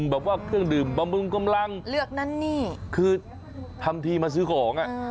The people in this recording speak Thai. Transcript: แบบว่าเครื่องดื่มบำรุงกำลังคือทำทีมาซื้อของ